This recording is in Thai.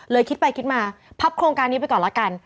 คิดไปคิดมาพับโครงการนี้ไปก่อนละกัน